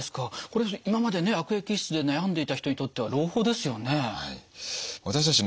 これ今までね悪液質で悩んでいた人にとっては朗報ですよね。